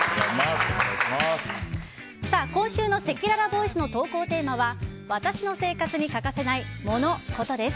今週のせきららボイスの投稿テーマは私の生活に欠かせないモノ・コトです。